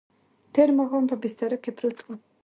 تېر ماښام په بستره کې پروت وم.